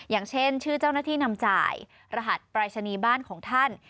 อย่างเช่นชื่อเจ้าหน้าที่นำจ่ายรหัสปรายศนีย์บ้านของท่าน